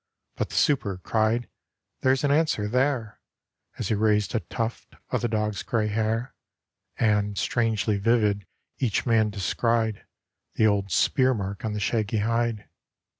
But the super cried, 'There's an answer there!' As he raised a tuft of the dog's grey hair; And, strangely vivid, each man descried The old spear mark on the shaggy hide.